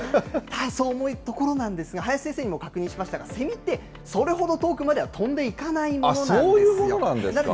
そう思うところなんですが、林先生にも確認しましたが、セミって、それほど遠くまでは飛んでいかなそういうものなんですか？